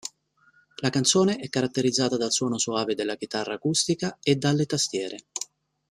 La canzone è caratterizzata dal suono soave della chitarra acustica e dalle tastiere.